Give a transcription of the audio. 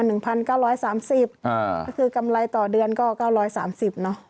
ก็คือกำไรต่อเดือนก็๙๓๐เนอะ